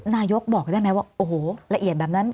นายกบอกได้ไหมว่าโอ้โหละเอียดแบบนั้น